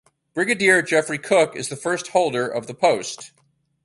Brigadier Jeffrey Cook is the first holder of the post.